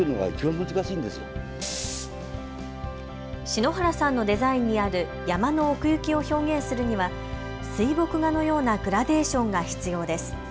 篠原さんのデザインにある山の奥行きを表現するには水墨画のようなグラデーションが必要です。